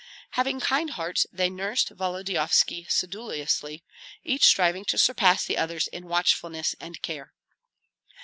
Having kind hearts, they nursed Volodyovski sedulously, each striving to surpass the others in watchfulness and care.